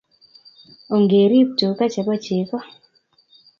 Ongerip tuka che po cheko